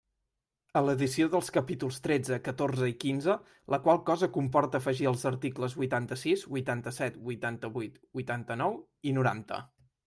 A l'addició dels capítols tretze, catorze i quinze, la qual cosa comporta afegir els articles huitanta-sis, huitanta-set, huitanta-huit, huitanta-nou i noranta.